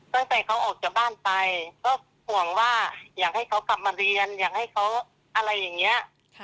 ตั้งแต่เขาออกจากบ้านไปก็ห่วงว่าอยากให้เขากลับมาเรียนอยากให้เขาอะไรอย่างนี้